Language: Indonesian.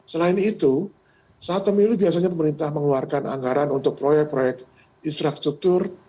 selain itu saat pemilu biasanya pemerintah mengeluarkan anggaran untuk proyek proyek infrastruktur